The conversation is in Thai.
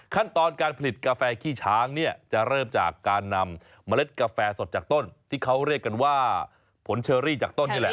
ขั้นตอนการผลิตกาแฟขี้ช้างเนี่ยจะเริ่มจากการนำเมล็ดกาแฟสดจากต้นที่เขาเรียกกันว่าผลเชอรี่จากต้นนี่แหละ